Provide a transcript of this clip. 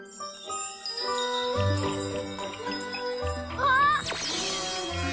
あっ！